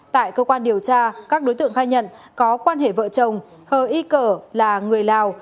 tại cơ quan điều tra các đối tượng khai nhận có quan hệ vợ chồng hờ y cở là người lào